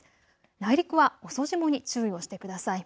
内陸は遅霜に注意をしてください。